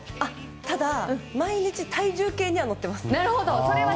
ただ、毎日体重計には乗ってます。